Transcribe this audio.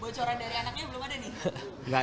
bocoran dari anaknya belum ada nih